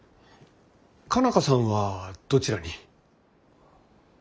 佳奈花さんはどちらに？